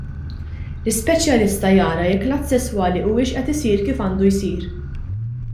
L-ispeċjalista jara jekk l-att sesswali huwiex qed isir kif għandu jsir.